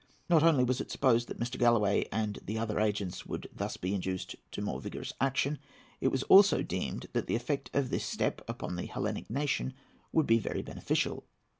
Not only was it supposed that Mr. Galloway and the other agents would thus be induced to more vigorous action: it was also deemed that the effect of this step upon the Hellenic nation would be very beneficial.